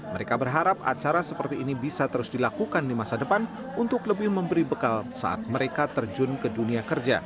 mereka berharap acara seperti ini bisa terus dilakukan di masa depan untuk lebih memberi bekal saat mereka terjun ke dunia kerja